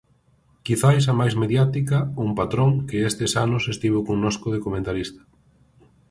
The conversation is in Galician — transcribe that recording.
Quizais a máis mediática, un patrón que estes anos estivo connosco de comentarista.